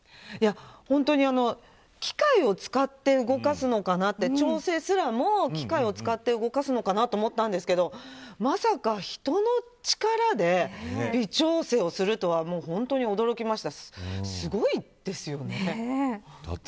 本当に機械を使って動かすのかなって調整すらも機械を使って動かすのかなと思ったんですけどまさか人の力で微調整をするとは本当に驚きました。